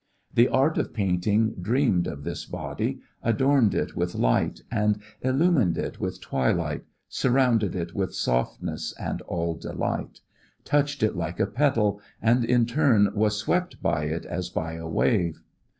The art of painting dreamed of this body, adorned it with light and illumined it with twilight, surrounded it with all softness and all delight; touched it like a petal, and in turn was swept by it as by a wave.